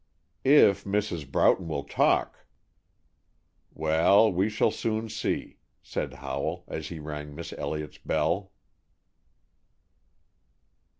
"If Mrs. Broughton will talk!" "Well, we shall soon see," said Howell, as he rang Miss Elliott's bell.